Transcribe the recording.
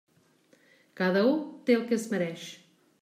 Cada u té el que es mereix.